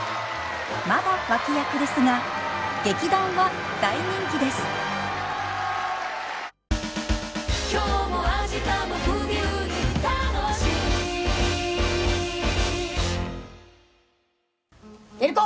まだ脇役ですが劇団は大人気です照子！